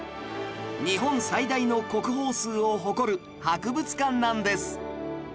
日本最大の国宝数を誇る博物館なんです